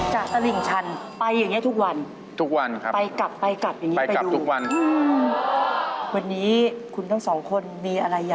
จากตะหริงชันไปอย่างนี้ทุกวันครับ